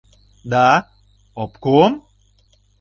Да... обком?